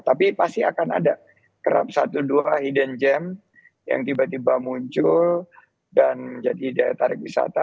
tapi pasti akan ada kerap satu dua hidden gem yang tiba tiba muncul dan menjadi daya tarik wisata